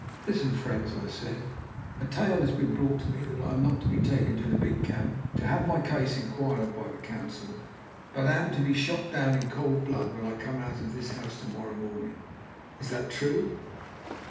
"Listen, friends," I said. "A tale has been brought to me that I am not to be taken to the big camp to have my case inquired of by the council, but am to be shot down in cold blood when I come out of this house to morrow morning. Is that true?"